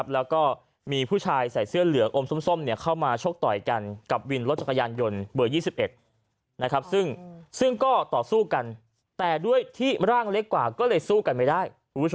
แล้วก็มีผู้ชายใส่เสื้อเหลืองอมส้มเข้ามาชกต่อยกันกับวินรถจักรยานยนต์เบอร์๒๑ซึ่งก็ต่อสู้กันแต่ด้วยที่ร่างเล็กกว่าก็เลยสู้กันไม่ได้